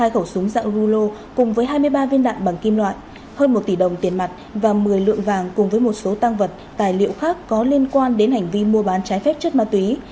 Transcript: hai khẩu súng dạng rulo cùng với hai mươi ba viên đạn bằng kim loại hơn một tỷ đồng tiền mặt và một mươi lượng vàng cùng với một số tăng vật tài liệu khác có liên quan đến hành vi mua bán trái phép chất ma túy